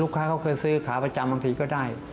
ค้าเขาเคยซื้อขาประจำบางทีก็ได้